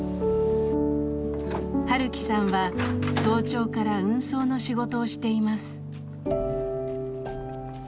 晴樹さんは早朝から運送の仕事をしています。